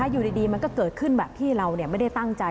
อยู่ดีมันก็เกิดขึ้นแบบที่เราไม่ได้ตั้งใจ